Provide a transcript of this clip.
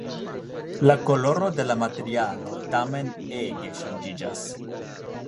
La koloro de la materialo tamen ege ŝanĝiĝas.